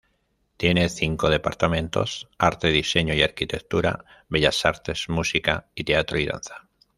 Tiene cinco departamentos: Arte, Diseño y Arquitectura, Bellas Artes, Música y Teatro y Danza.